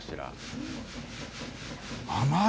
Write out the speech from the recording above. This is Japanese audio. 甘い。